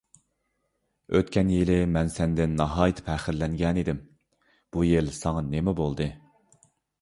ئۆتكەن يىلى مەن سەندىن ناھايىتى پەخىرلەنگەنىدىم، بۇ يىل ساڭا نېمە بولدى؟